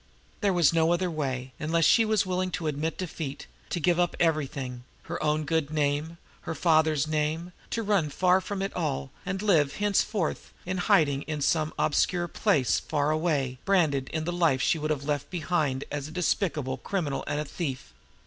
There was no other way unless she were willing to admit defeat, to give up everything, her own good name, her father's name, to run from it all and live henceforth in hiding in some obscure place far away, branded in the life she would have left behind her as a despicable criminal and thief.